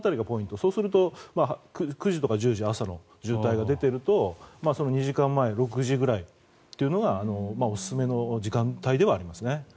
そうすると９時とか１０時って朝の渋滞が出ているとその２時間前６時くらいというのがおすすめの時間帯ではありますね。